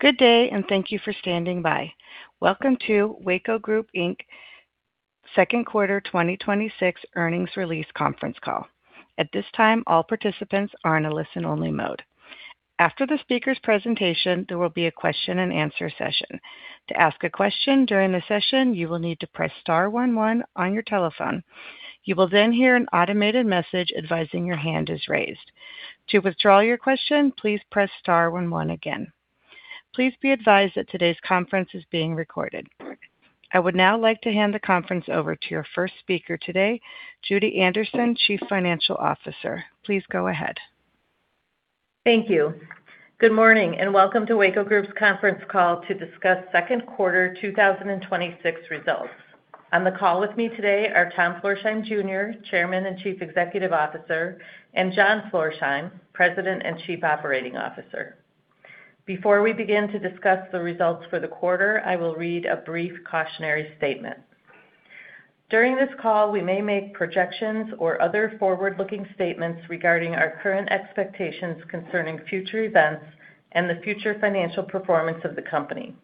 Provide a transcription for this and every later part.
Good day, and thank you for standing by. Welcome to Weyco Group Inc second quarter 2026 earnings release conference call. At this time, all participants are in a listen-only mode. After the speaker's presentation, there will be a question and answer session. To ask a question during the session, you will need to press star one one on your telephone. You will then hear an automated message advising your hand is raised. To withdraw your question, please press star one one again. Please be advised that today's conference is being recorded. I would now like to hand the conference over to your first speaker today, Judy Anderson, Chief Financial Officer. Please go ahead. Thank you. Good morning, and welcome to Weyco Group's conference call to discuss second quarter 2026 results. On the call with me today are Tom Florsheim Jr., Chairman and Chief Executive Officer, and John Florsheim, President and Chief Operating Officer. Before we begin to discuss the results for the quarter, I will read a brief cautionary statement. During this call, we may make projections or other forward-looking statements regarding our current expectations concerning future events and the future financial performance of the company.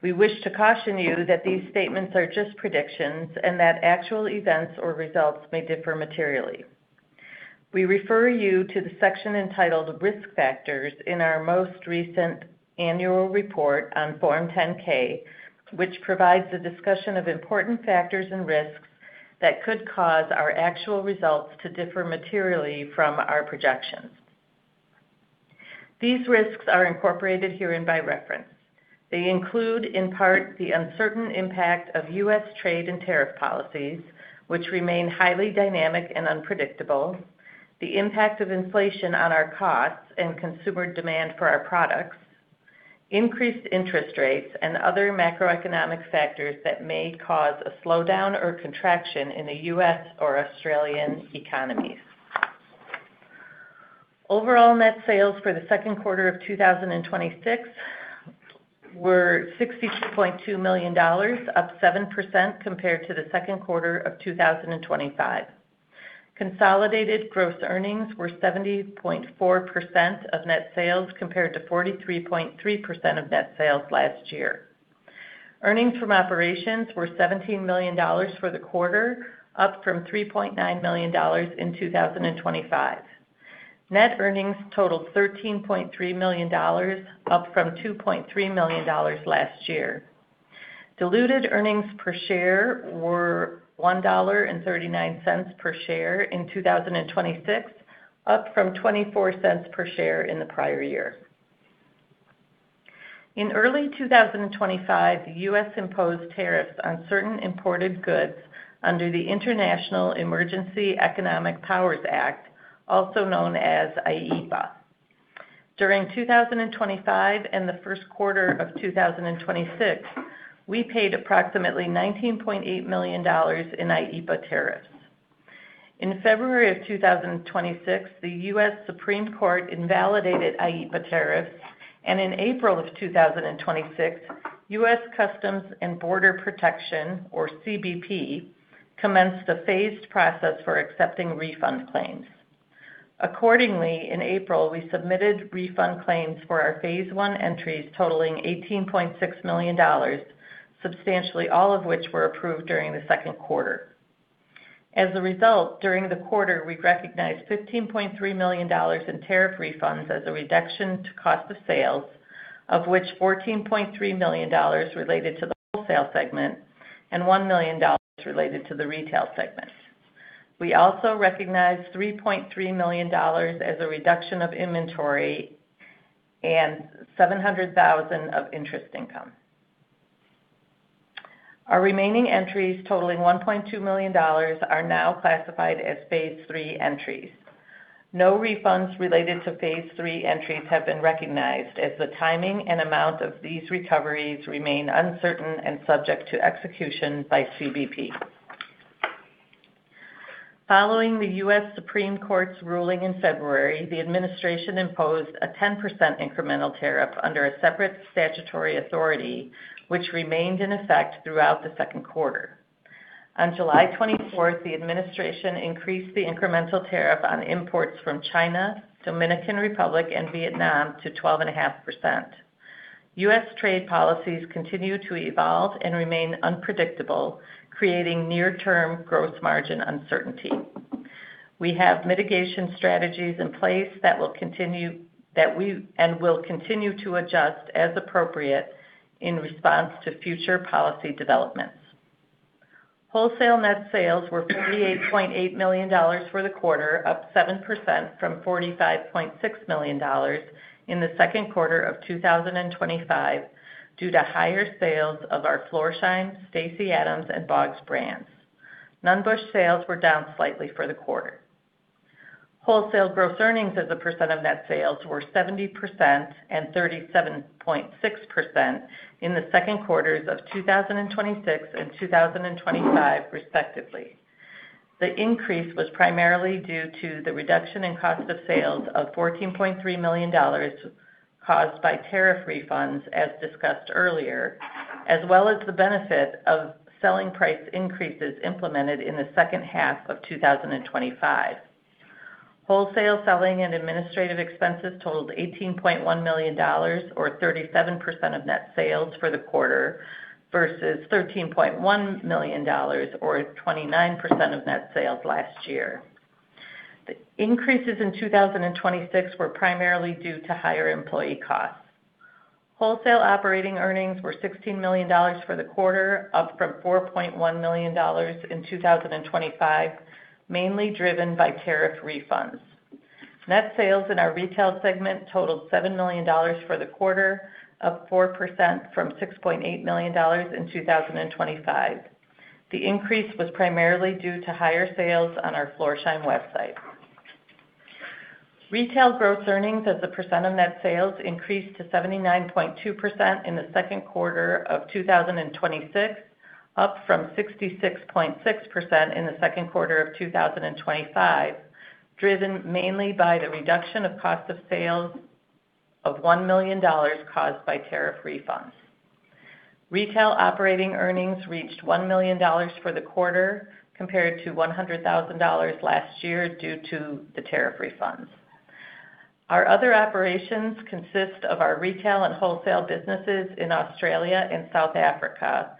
We wish to caution you that these statements are just predictions and that actual events or results may differ materially. We refer you to the section entitled Risk Factors in our most recent annual report on Form 10-K, which provides a discussion of important factors and risks that could cause our actual results to differ materially from our projections. These risks are incorporated herein by reference. They include, in part, the uncertain impact of U.S. trade and tariff policies, which remain highly dynamic and unpredictable, the impact of inflation on our costs and consumer demand for our products, increased interest rates, and other macroeconomic factors that may cause a slowdown or contraction in the U.S. or Australian economies. Overall net sales for the second quarter of 2026 were $62.2 million, up 7% compared to the second quarter of 2025. Consolidated gross earnings were 70.4% of net sales, compared to 43.3% of net sales last year. Earnings from operations were $17 million for the quarter, up from $3.9 million in 2025. Net earnings totaled $13.3 million, up from $2.3 million last year. Diluted earnings per share were $1.39 per share in 2026, up from $0.24 per share in the prior year. In early 2025, the U.S. imposed tariffs on certain imported goods under the International Emergency Economic Powers Act, also known as IEEPA. During 2025 and the first quarter of 2026, we paid approximately $19.8 million in IEEPA tariffs. In February of 2026, the U.S. Supreme Court invalidated IEEPA tariffs, and in April of 2026, U.S. Customs and Border Protection, or CBP, commenced a phased process for accepting refund claims. Accordingly, in April, we submitted refund claims for our phase one entries totaling $18.6 million, substantially all of which were approved during the second quarter. As a result, during the quarter, we recognized $15.3 million in tariff refunds as a reduction to cost of sales, of which $14.3 million related to the wholesale segment and $1 million related to the retail segment. We also recognized $3.3 million as a reduction of inventory and $700,000 of interest income. Our remaining entries totaling $1.2 million are now classified as phase three entries. No refunds related to phase three entries have been recognized as the timing and amount of these recoveries remain uncertain and subject to execution by CBP. Following the U.S. Supreme Court's ruling in February, the administration imposed a 10% incremental tariff under a separate statutory authority, which remained in effect throughout the second quarter. On July 24th, the administration increased the incremental tariff on imports from China, Dominican Republic, and Vietnam to 12.5%. U.S. trade policies continue to evolve and remain unpredictable, creating near-term gross margin uncertainty. We have mitigation strategies in place that we and will continue to adjust as appropriate in response to future policy developments. Wholesale net sales were $58.8 million for the quarter, up 7% from $45.6 million in the second quarter of 2025 due to higher sales of our Florsheim, Stacy Adams, and BOGS brands. Nunn Bush sales were down slightly for the quarter. Wholesale gross earnings as a percent of net sales were 70% and 37.6% in the second quarters of 2026 and 2025, respectively. The increase was primarily due to the reduction in cost of sales of $14.3 million caused by tariff refunds as discussed earlier, as well as the benefit of selling price increases implemented in the second half of 2025. Wholesale selling and administrative expenses totaled $18.1 million, or 37% of net sales for the quarter, versus $13.1 million, or 29% of net sales last year. The increases in 2026 were primarily due to higher employee costs. Wholesale operating earnings were $16 million for the quarter, up from $4.1 million in 2025, mainly driven by tariff refunds. Net sales in our retail segment totaled $7 million for the quarter, up 4% from $6.8 million in 2025. The increase was primarily due to higher sales on our Florsheim website. Retail gross earnings as a percent of net sales increased to 79.2% in the second quarter of 2026, up from 66.6% in the second quarter of 2025, driven mainly by the reduction of cost of sales of $1 million caused by tariff refunds. Retail operating earnings reached $1 million for the quarter, compared to $100,000 last year due to the tariff refunds. Our other operations consist of our retail and wholesale businesses in Australia and South Africa,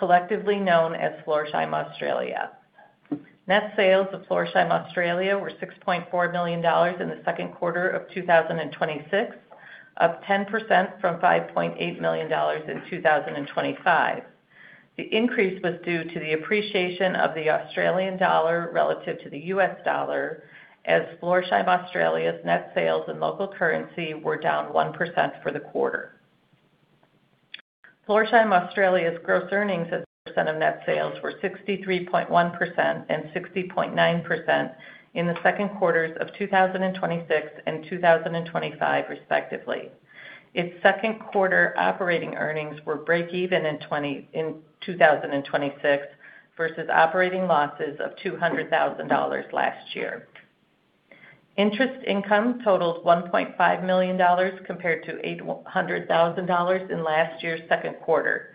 collectively known as Florsheim Australia. Net sales of Florsheim Australia were $6.4 million in the second quarter of 2026, up 10% from $5.8 million in 2025. The increase was due to the appreciation of the Australian dollar relative to the US dollar, as Florsheim Australia's net sales in local currency were down 1% for the quarter. Florsheim Australia's gross earnings as a percent of net sales were 63.1% and 60.9% in the second quarters of 2026 and 2025, respectively. Its second quarter operating earnings were breakeven in 2026 versus operating losses of $200,000 last year. Interest income totaled $1.5 million, compared to $800,000 in last year's second quarter.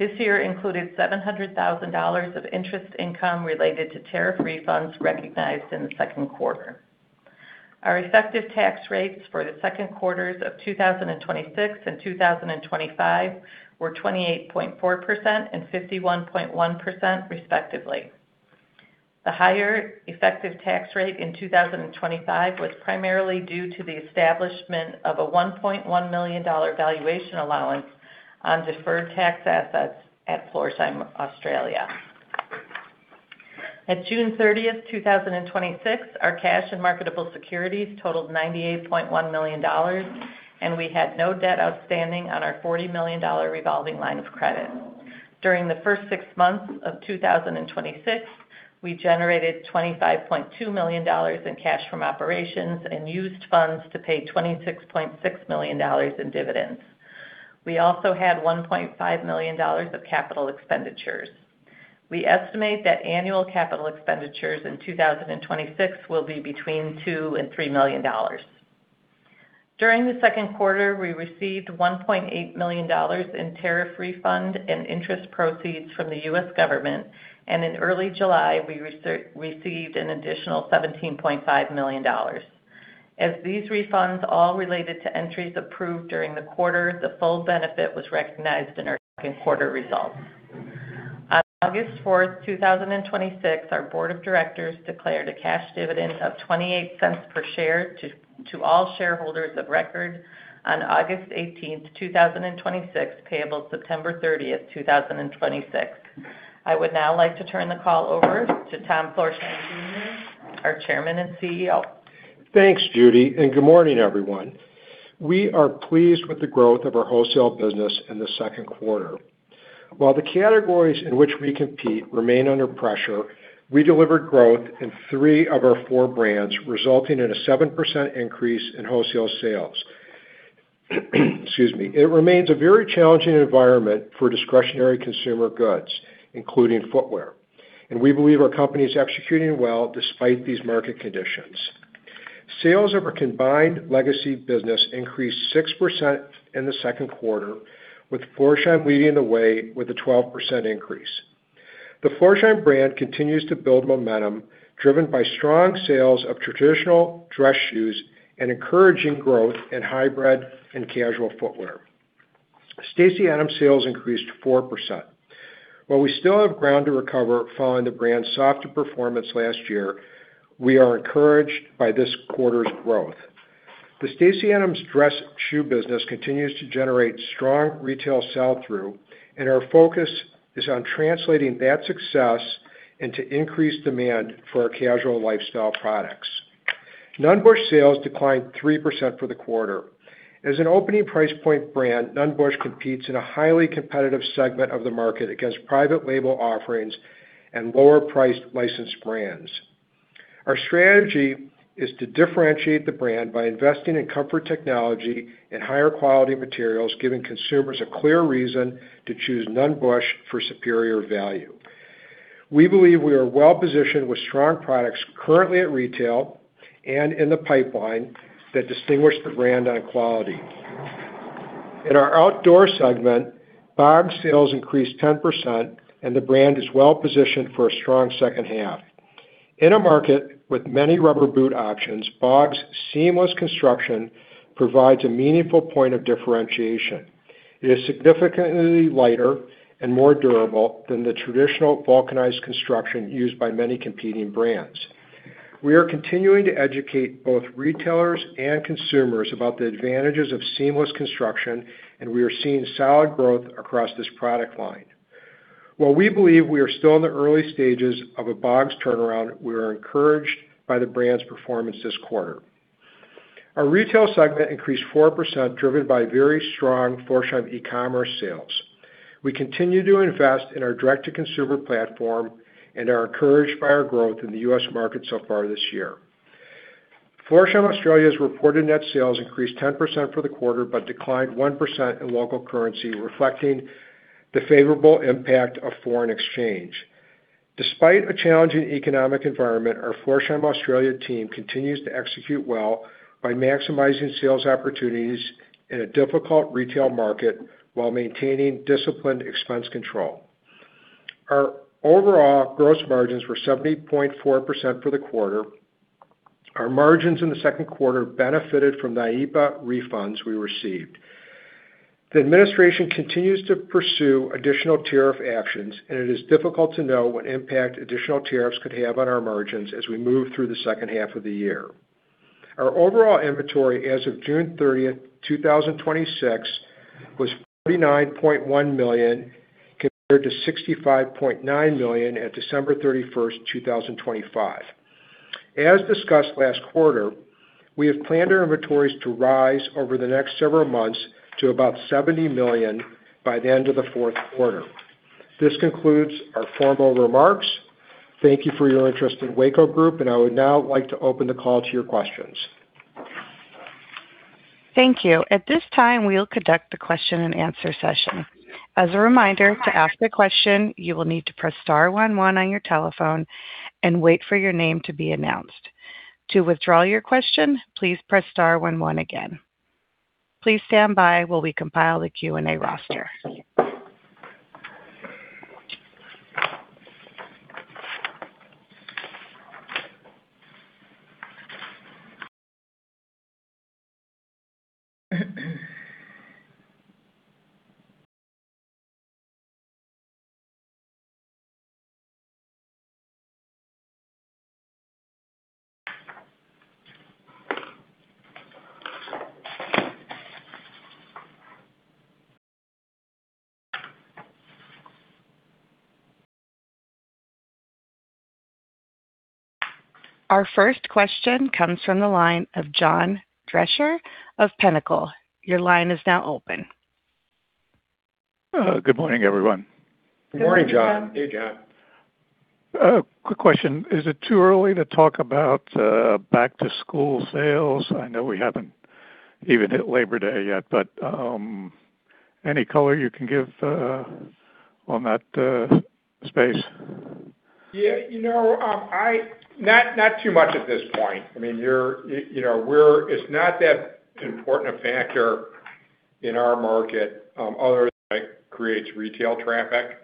This year included $700,000 of interest income related to tariff refunds recognized in the second quarter. Our effective tax rates for the second quarters of 2026 and 2025 were 28.4% and 51.1%, respectively. The higher effective tax rate in 2025 was primarily due to the establishment of a $1.1 million valuation allowance on deferred tax assets at Florsheim Australia. At June 30th 2026, our cash and marketable securities totaled $98.1 million, and we had no debt outstanding on our $40 million revolving line of credit. During the first six months of 2026, we generated $25.2 million in cash from operations and used funds to pay $26.6 million in dividends. We also had $1.5 million of capital expenditures. We estimate that annual capital expenditures in 2026 will be between $2 million and $3 million. During the second quarter, we received $1.8 million in tariff refund and interest proceeds from the U.S. government, and in early July, we received an additional $17.5 million. As these refunds all related to entries approved during the quarter, the full benefit was recognized in our second quarter results. On August 4th 2026, our board of directors declared a cash dividend of $0.28 per share to all shareholders of record on August 18th 2026, payable September 30th 2026. I would now like to turn the call over to Tom Florsheim Jr., our Chairman and CEO. Thanks, Judy. Good morning, everyone. We are pleased with the growth of our wholesale business in the second quarter. While the categories in which we compete remain under pressure, we delivered growth in three of our four brands, resulting in a 7% increase in wholesale sales. Excuse me. It remains a very challenging environment for discretionary consumer goods, including footwear, and we believe our company is executing well despite these market conditions. Sales of our combined legacy business increased 6% in the second quarter, with Florsheim leading the way with a 12% increase. The Florsheim brand continues to build momentum driven by strong sales of traditional dress shoes and encouraging growth in hybrid and casual footwear. Stacy Adams sales increased 4%. While we still have ground to recover following the brand's softer performance last year, we are encouraged by this quarter's growth. The Stacy Adams dress shoe business continues to generate strong retail sell-through, and our focus is on translating that success into increased demand for our casual lifestyle products. Nunn Bush sales declined 3% for the quarter. As an opening price point brand, Nunn Bush competes in a highly competitive segment of the market against private label offerings and lower-priced licensed brands. Our strategy is to differentiate the brand by investing in comfort technology and higher quality materials, giving consumers a clear reason to choose Nunn Bush for superior value. We believe we are well positioned with strong products currently at retail and in the pipeline that distinguish the brand on quality In our outdoor segment, BOGS sales increased 10%, and the brand is well-positioned for a strong second half. In a market with many rubber boot options, BOGS' seamless construction provides a meaningful point of differentiation. It is significantly lighter and more durable than the traditional vulcanized construction used by many competing brands. We are continuing to educate both retailers and consumers about the advantages of seamless construction, and we are seeing solid growth across this product line. While we believe we are still in the early stages of a BOGS turnaround, we are encouraged by the brand's performance this quarter. Our retail segment increased 4%, driven by very strong Florsheim e-commerce sales. We continue to invest in our direct-to-consumer platform and are encouraged by our growth in the U.S. market so far this year. Florsheim Australia's reported net sales increased 10% for the quarter, but declined 1% in local currency, reflecting the favorable impact of foreign exchange. Despite a challenging economic environment, our Florsheim Australia team continues to execute well by maximizing sales opportunities in a difficult retail market while maintaining disciplined expense control. Our overall gross margins were 70.4% for the quarter. Our margins in the second quarter benefited from the IEEPA refunds we received. The administration continues to pursue additional tariff actions. It is difficult to know what impact additional tariffs could have on our margins as we move through the second half of the year. Our overall inventory as of June 30th, 2026 was $49.1 million, compared to $65.9 million at December 31st, 2025. As discussed last quarter, we have planned our inventories to rise over the next several months to about $70 million by the end of the fourth quarter. This concludes our formal remarks. Thank you for your interest in Weyco Group. I would now like to open the call to your questions. Thank you. At this time, we'll conduct the question and answer session. As a reminder, to ask a question, you will need to press one one on your telephone and wait for your name to be announced. To withdraw your question, please press one one again. Please stand by while we compile the Q&A roster. Our first question comes from the line of John Deysher of Pinnacle. Your line is now open. Good morning, everyone. Good morning, John. Good morning, John. Hey, John. A quick question. Is it too early to talk about back-to-school sales? I know we haven't even hit Labor Day yet, but any color you can give on that space? Not too much at this point. It's not that important a factor in our market. Other than it creates retail traffic.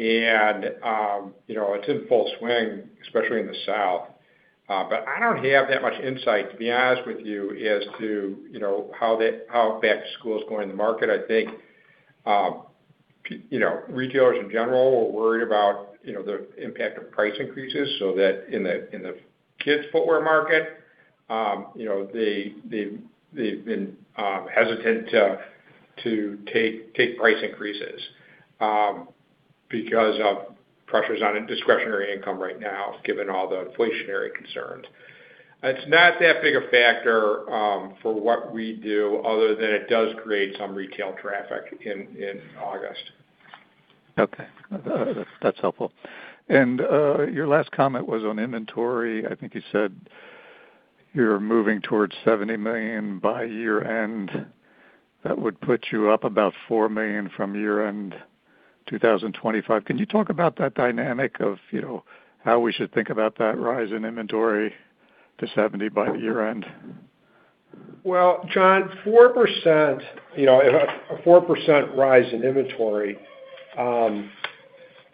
It's in full swing, especially in the South. I don't have that much insight, to be honest with you, as to how back to school is going in the market. I think retailers, in general, are worried about the impact of price increases, so that in the kids footwear market they've been hesitant to take price increases because of pressures on discretionary income right now, given all the inflationary concerns. It's not that big a factor for what we do other than it does create some retail traffic in August. That's helpful. Your last comment was on inventory. I think you said you're moving towards $70 million by year-end. That would put you up about $4 million from year-end 2025. Can you talk about that dynamic of how we should think about that rise in inventory to $70 million by the year-end? John, a 4% rise in inventory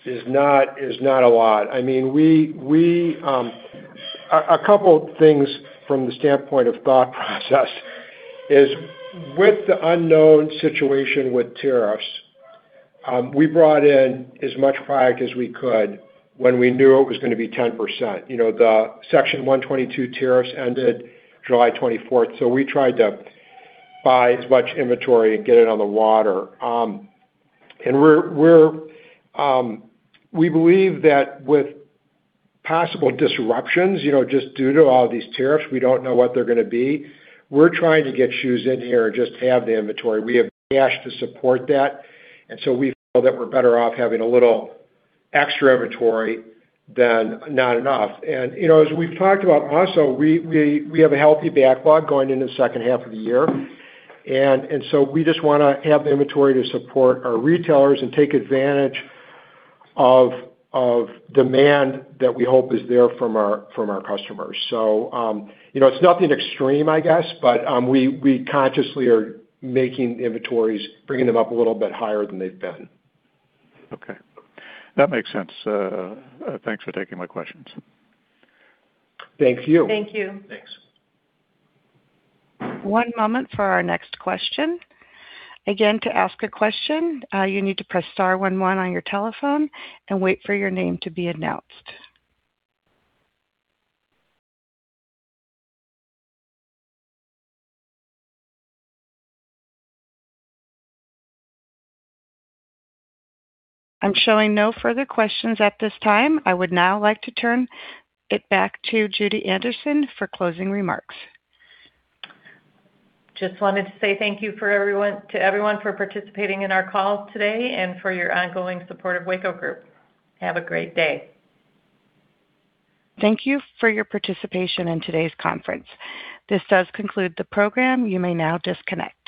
is not a lot. A couple things from the standpoint of thought process is with the unknown situation with tariffs, we brought in as much product as we could when we knew it was going to be 10%. The Section 122 tariffs ended July 24th, we tried to buy as much inventory and get it on the water. We believe that with possible disruptions, just due to all these tariffs, we don't know what they're going to be. We're trying to get shoes in here and just have the inventory. We have cash to support that, so we feel that we're better off having a little extra inventory than not enough. As we've talked about also, we have a healthy backlog going into the second half of the year, we just want to have inventory to support our retailers and take advantage of demand that we hope is there from our customers. It's nothing extreme, I guess, but we consciously are making inventories, bringing them up a little bit higher than they've been. Okay. That makes sense. Thanks for taking my questions. Thank you. Thank you. Thanks. One moment for our next question. Again, to ask a question, you need to press star one one on your telephone and wait for your name to be announced. I'm showing no further questions at this time. I would now like to turn it back to Judy Anderson for closing remarks. Just wanted to say thank you to everyone for participating in our call today and for your ongoing support of Weyco Group. Have a great day. Thank you for your participation in today's conference. This does conclude the program. You may now disconnect.